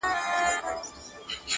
بيا اختر به وي دفتحې -